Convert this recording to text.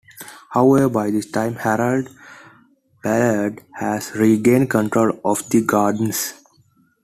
However, by this time Harold Ballard had regained control of the Gardens.